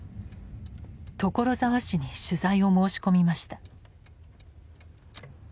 所沢市に取材を申し込みました。